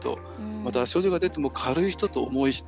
または症状が出ても軽い人と、重い人。